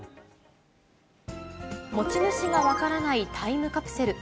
持ち主が分からないタイムカプセル。